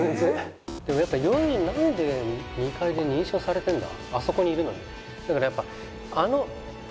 でもやっぱ何で２階で認証されてんだ？